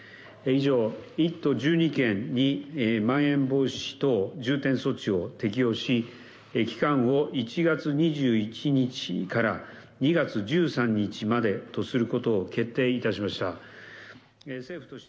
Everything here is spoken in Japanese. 以上１都１２県にまん延防止等重点措置を適用し、期間を１月２１日から２月１３日までとすることを決定致しました。